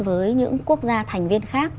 với những quốc gia thành viên khác